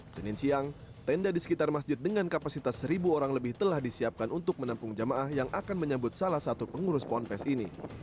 senin siang tenda di sekitar masjid dengan kapasitas seribu orang lebih telah disiapkan untuk menampung jamaah yang akan menyambut salah satu pengurus ponpes ini